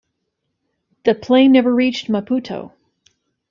The plane never reached Maputo.